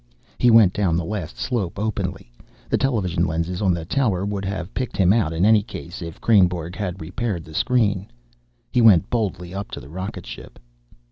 He went down the last slope openly. The television lenses on the tower would have picked him out in any case, if Kreynborg had repaired the screen. He went boldly up to the rocket ship.